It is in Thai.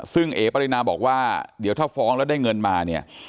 ซึ่งเอ๋ปรินาบอกว่าเดี๋ยวถ้าฟ้องแล้วได้เงินมาเนี่ย